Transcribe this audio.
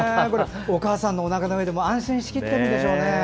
お母さんおなかの上で安心しきってるんでしょうね。